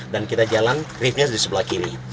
dan kita jalan riftnya di sebelah kiri